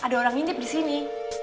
ada orang yang mengintip di sini